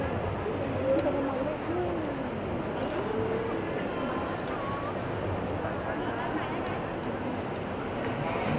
แผ่นคนเห็นว่าน้องเป็นตัวแทนที่ถ่ายคุณน้องไม่ได้ไปในน้ำคุณโชว์น้ำตาประสงค์สำเร็จถึงมากขนาดนี้ครับ